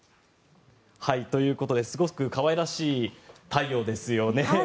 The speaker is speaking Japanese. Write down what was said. ということですごく可愛らしい太陽ですよね。